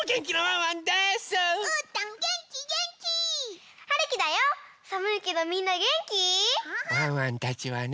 ワンワンたちはね